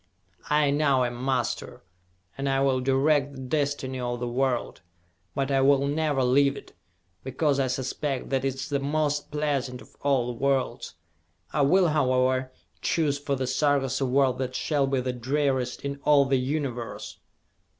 I now am master, and will direct the destiny of the world! But I will never leave it, because I suspect that it is the most pleasant of all the worlds! I will, however, choose for the Sarkas a world that shall be the dreariest in all the Universe!"